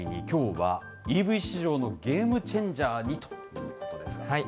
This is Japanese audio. きょうはＥＶ市場のゲームチェンジャーにということですか。